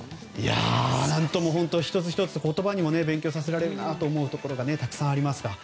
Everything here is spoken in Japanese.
何とも、１つ１つ言葉でも勉強させられるなと思うところがたくさんありますから。